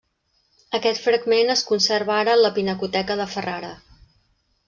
Aquest fragment es conserva ara en la Pinacoteca de Ferrara.